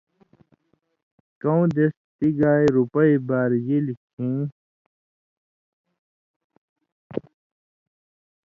کؤں دېس تی گائ رُپئ بارژِلیۡ کھیں